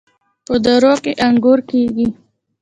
په درو کې انګور کیږي.